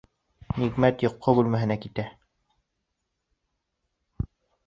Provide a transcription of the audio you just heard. Ниғәмәт йоҡо бүлмәһенә китә.